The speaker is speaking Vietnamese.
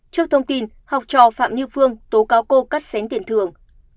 trước thông tin học trò phạm như phương tố cáo cô cắt xén tiền thường